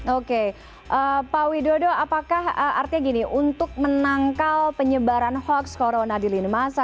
oke pak widodo apakah artinya gini untuk menangkal penyebaran hoax corona di lini masa